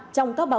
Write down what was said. trong các báo cáo